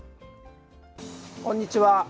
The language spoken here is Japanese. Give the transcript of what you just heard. こんにちは。